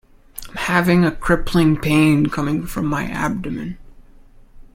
I'm having a crippling pain coming from my abdomen.